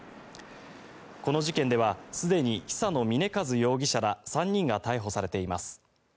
この事件ではすでに久野峰一容疑者ら３人が逮捕されています。